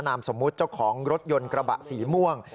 นามสมมุติเจ้าของรถยนต์กระบะสีม่วง